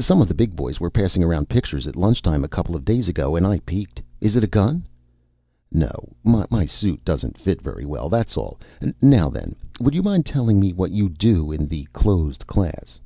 Some of the big boys were passing around pictures at lunchtime a couple days ago and I peeked. Is it a gun?" "No. My suit doesn't fit very well, that's all. Now then. Would you mind telling me what you do in the closed class?"